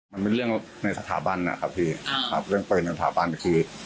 มันเป็นเรื่องในสถาบันนะครับพี่ครับเรื่องปืนในสถาบันคือ